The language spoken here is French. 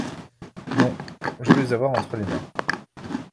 Non ; je veux les avoir entre les mains.